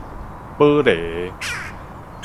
寶螺